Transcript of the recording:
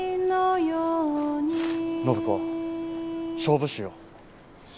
暢子勝負しよう。